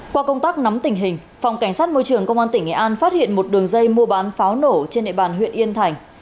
qua công tác nắm tình hình phòng cảnh sát môi trường công an tỉnh nghệ an phát hiện một đường dây mua bán pháo nổ trên địa bàn huyện yên thành